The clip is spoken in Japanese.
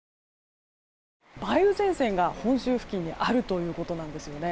梅雨前線が本州付近にあるということなんですよね。